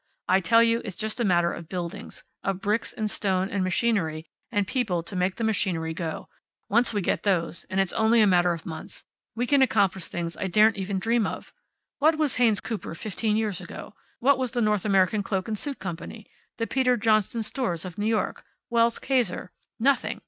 I tell you it's just a matter of buildings. Of bricks and stone, and machinery and people to make the machinery go. Once we get those and it's only a matter of months we can accomplish things I daren't even dream of. What was Haynes Cooper fifteen years ago? What was the North American Cloak and Suit Company? The Peter Johnston Stores, of New York? Wells Kayser? Nothing.